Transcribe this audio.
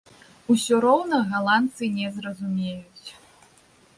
Усё роўна галандцы не зразумеюць!